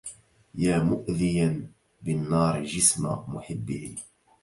يا مؤذيا بالنار جسم محبه